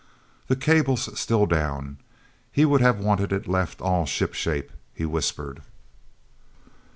"The cable's still down—he would have wanted it left all shipshape," he whispered.